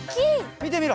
みてみろ。